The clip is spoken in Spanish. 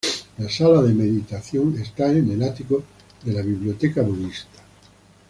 La Sala de Meditación está en el ático de la Biblioteca Budista.